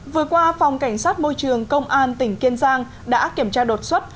vừa qua phòng cảnh sát môi trường công an tỉnh kiên giang đã kiểm tra đột xuất